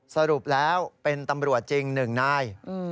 สรุปแล้วเป็นตำรวจจริง๑นาย